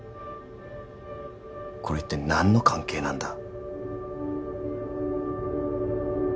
これ一体何の関係なんだ？